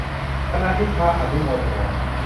ขณะที่พระอนุโมทนา